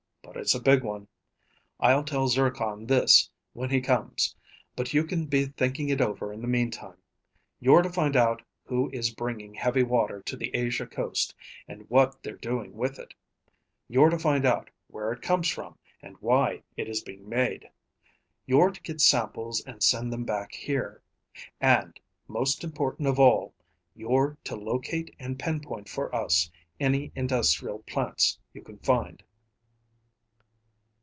But it's a big one. I'll tell Zircon this when he comes, but you can be thinking it over in the meantime. You're to find out who is bringing heavy water to the Asia coast and what they're doing with it. You're to find out where it comes from, and why it is being made. You're to get samples and send them back here. And most important of all, you're to locate and pinpoint for us any industrial plants you find."